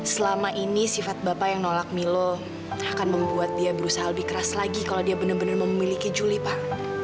selama ini sifat bapak yang nolak milo akan membuat dia berusaha lebih keras lagi kalau dia benar benar memiliki juli pak